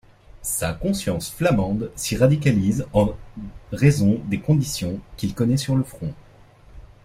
Sa conscience flamande s’y radicalise en raison des conditions qu’il connaît sur le front.